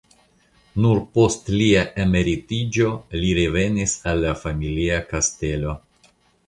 Nur post lia emeritiĝo ili revenis al la familia kastelo.